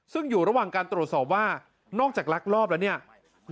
ซึ่งอยู่ระหว่างการตรวจสอบว่านอกจากลักลอบแล้วเนี่ย